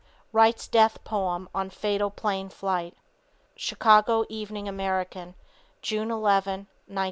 WRITES DEATH POEM ON FATAL PLANE FLIGHT. Chicago Evening American, June 11, 1921.